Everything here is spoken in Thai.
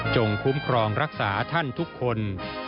คุ้มครองรักษาท่านทุกคน